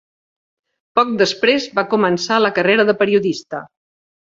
Poc després va començar la carrera de periodista.